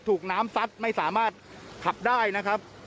ถูกน้ำซัดไม่สามารถขับได้นะครับ